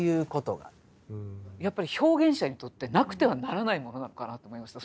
やっぱり表現者にとってなくてはならないものなのかなと思いました。